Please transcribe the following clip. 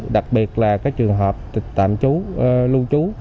đặc biệt là các trường hợp tạm chú lưu chú